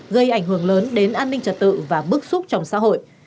gây ảnh hưởng lớn đến an ninh trật tự và bức xúc trong xã hội